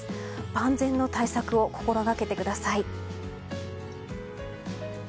万全の対策を心掛けてください。